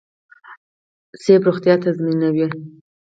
مڼه روغتیا تضمینوي